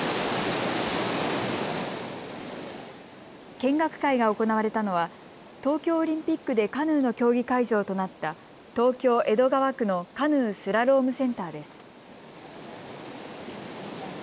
見学会が行われたのは東京オリンピックでカヌーの競技会場となった東京江戸川区のカヌー・スラロームセンターです。